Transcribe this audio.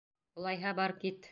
Улайһа, бар кит!